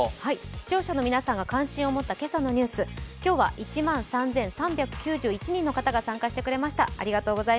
視聴者の皆さんが関心を持った今朝のニュース、今日は１万３３９１人の方が参加してくださいました。